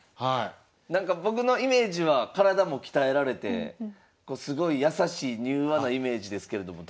なんか僕のイメージは体も鍛えられてすごい優しい柔和なイメージですけれども。